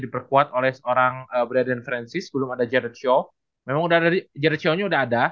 diperkuat oleh seorang braden francis belum ada jared shaw memang udah dari jared shaw udah ada